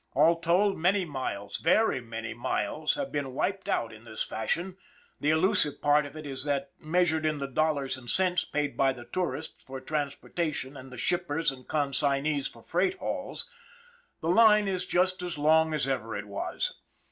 All told, many miles, very many miles, have been wiped out in this fashion the elusive part of it is that, measured in the dollars and cents paid by the tourists for transportation and the shippers and con signees for freight hauls, the line is just as long as ever it was!